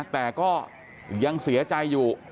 แต่ก็ยังเสียใจอยู่